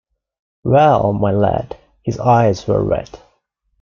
“Well, my lad!” he’s eyes were wet.